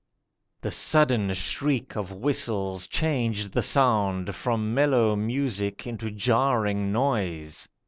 The sudden shriek of whistles changed the sound From mellow music into jarring noise.